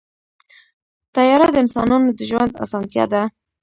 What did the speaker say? طیاره د انسانانو د ژوند اسانتیا ده.